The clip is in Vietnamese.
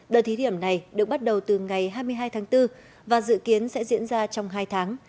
đợt thí điểm này được bắt đầu từ ngày hai mươi hai tháng bốn và dự kiến sẽ diễn ra trong hai tháng